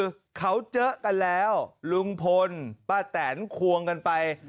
คือเขาเจอกันแล้วลุงพลป้าแตนควงกันไป